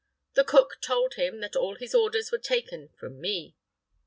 The cook told him that all his orders were taken from me.